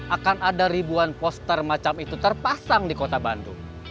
akan ada ribuan poster macam itu terpasang di kota bandung